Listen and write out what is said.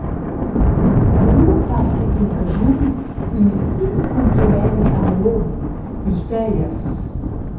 E lu fas ti cun caschun in pign cumpliment a miu um, il Teias.